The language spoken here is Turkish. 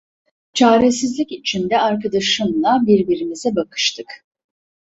Çaresizlik içinde arkadaşımla birbirimize bakıştık.